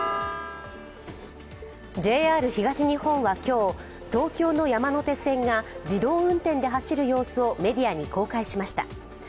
ＪＲ東日本は今日、東京の山手線が自動運転で走る様子をメディアに公開しました。